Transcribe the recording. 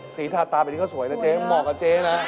สีทาตาแบบนี้ก็สวยนะเจ๊เหมาะกับเจ๊นะ